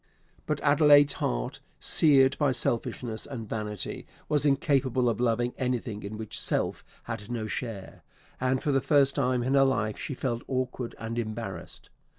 But Adelaide's heart, seared by selfishness and vanity, was incapable of loving anything in which self had no share; and for the first time in her life she felt awkward and embarrassed.